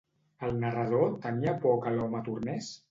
El narrador tenia por que l'home tornés?